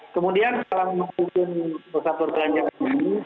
kemudian kalau memastikan pusat perbelanjaan ini